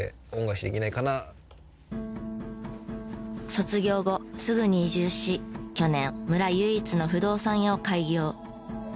卒業後すぐに移住し去年村唯一の不動産屋を開業。